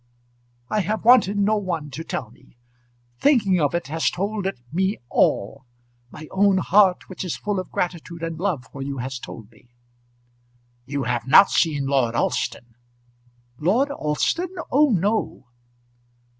"I have wanted no one to tell me. Thinking of it has told it me all. My own heart which is full of gratitude and love for you has told me." "You have not seen Lord Alston?" "Lord Alston! oh, no."